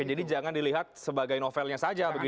oke jadi jangan dilihat sebagai novelnya saja begitu ya